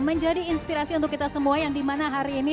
menjadi inspirasi untuk kita semua yang dimana hari ini